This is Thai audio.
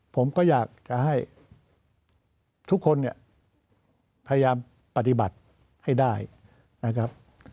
ผมก็อยากจะให้ทุกคนเนี่ยพยายามปฏิบัติให้ได้นะครับ